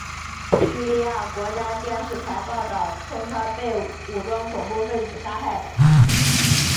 叙利亚国家电视台报道称他是被武装恐怖分子杀害的。